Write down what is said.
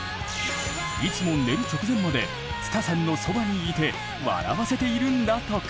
いつも寝る直前までつたさんのそばにいて笑わせているんだとか。